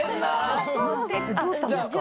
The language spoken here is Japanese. どうしたんですか？